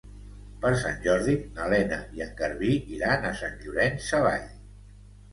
Per Sant Jordi na Lena i en Garbí iran a Sant Llorenç Savall.